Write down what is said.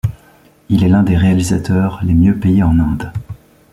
Il est l'un des réalisateurs les mieux payés en Inde.